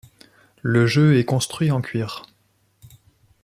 Le jeu est construit en cuir.